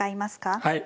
はい。